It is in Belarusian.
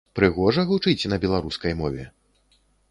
Прыгожа гучыць на беларускай мове?